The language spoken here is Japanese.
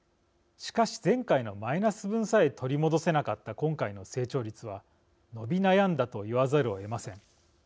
しかし、前回のマイナス分さえ取り戻せなかった今回の成長率は伸び悩んだと言わざるをえません。